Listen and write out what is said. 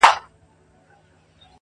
ما څوځلي د لاس په زور کي يار مات کړی دی